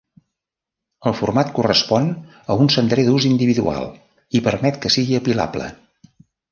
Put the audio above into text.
El format correspon a un cendrer d'ús individual i permet que sigui apilable.